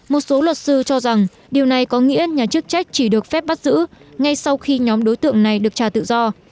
một số luật sư cho rằng điều này có nghĩa nhà chức trách chỉ được phép bắt giữ ngay sau khi nhóm đối tượng này được trả tự do